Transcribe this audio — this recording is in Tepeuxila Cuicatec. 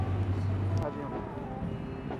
¿A did ntiñu?